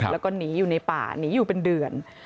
แล้วก็หนีอยู่ในป่าหนีอยู่เป็นเดือน